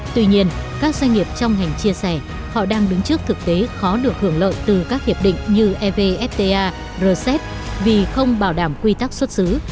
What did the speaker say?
tuy nhiên các doanh nghiệp trong ngành chia sẻ họ đang đứng trước thực tế khó được hưởng lợi từ các hiệp định như evfta rcep vì không bảo đảm quy tắc xuất xứ